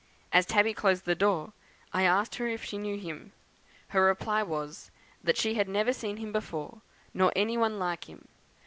As Tabby closed the door, I asked her if she knew him. Her reply was, that she had never seen him before, nor any one like him.